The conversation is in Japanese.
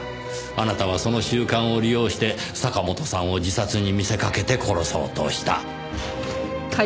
あなたはその習慣を利用して坂本さんを自殺に見せかけて殺そうとした。